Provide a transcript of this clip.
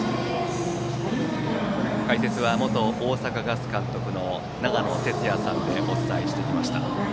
解説は元大阪ガス監督の長野哲也さんでお伝えしてきました。